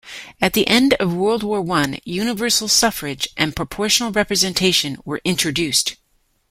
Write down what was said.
At the end of World War I, universal suffrage and proportional representation were introduced.